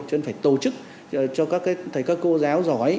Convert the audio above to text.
cho nên phải tổ chức cho các thầy các cô giáo giỏi